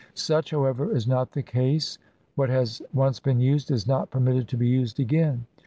Such, however, is not the case; what has once been used is not permitted to be used again.